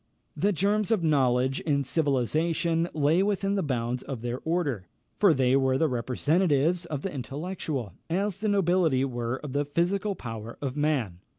The germs of knowledge and civilisation lay within the bounds of their order; for they were the representatives of the intellectual, as the nobility were of the physical power of man.